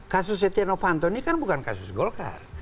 kasus sjanovanto ini kan bukan kasus golkar